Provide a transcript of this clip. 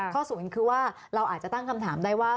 ศูนย์คือว่าเราอาจจะตั้งคำถามได้ว่า